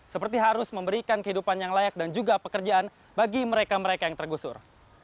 seperti harus memberikan kehidupan yang layak dan juga pekerjaan bagi mereka mereka yang tergusur